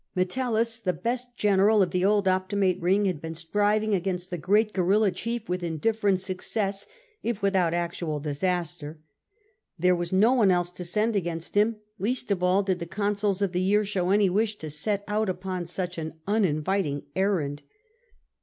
]\fetellus, the best general of the old Optimate ring, had been striving against the great guerilla chief with indifferent success, if without actual disaster. There was no one else to send against him, least of all did the consuls of the year show any wish to set out upon such an uninviting errand.